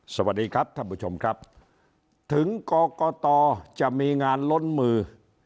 สวัสดีครับท่านผู้ชมครับถึงกรกตจะมีงานล้นมือ